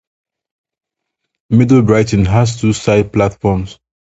Middle Brighton has two side platforms.